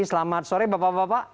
selamat sore bapak bapak